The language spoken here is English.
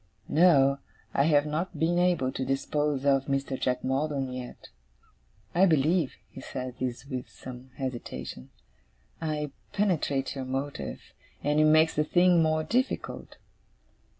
No, I have not been able to dispose of Mr. Jack Maldon yet. I believe,' he said this with some hesitation, 'I penetrate your motive, and it makes the thing more difficult.